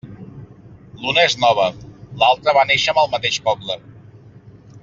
L'una és nova, l'altra va néixer amb el mateix poble.